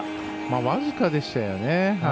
僅かでしたよね。